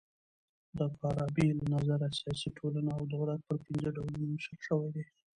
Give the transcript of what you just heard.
د فارابۍ له نظره سیاسي ټولنه او دولت پر پنځه ډولونو وېشل سوي دي.